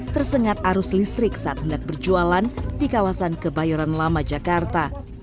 tersengat arus listrik saat hendak berjualan di kawasan kebayoran lama jakarta